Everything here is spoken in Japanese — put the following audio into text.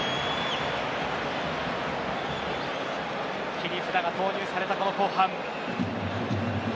切り札が投入されたこの後半。